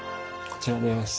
こちらです。